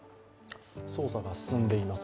捜査が進んでいます。